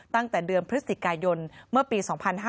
ตั้งแต่เดือนพฤศจิกายนเมื่อปี๒๕๕๙